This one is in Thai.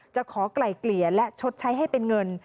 จะขอไกล่เกลี่ยและชดใช้ให้เป็นเงิน